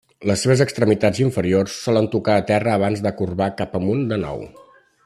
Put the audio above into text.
Les seves extremitats inferiors solen tocar a terra abans de corbar cap amunt de nou.